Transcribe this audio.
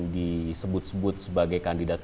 disebut sebut sebagai kandidat